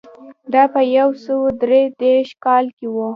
دا په یو سوه درې دېرش کال کې و